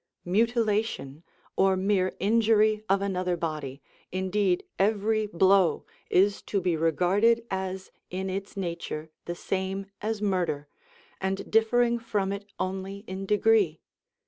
Mutilation, or mere injury of another body, indeed every blow, is to be regarded as in its nature the same as murder, and differing from it only in degree.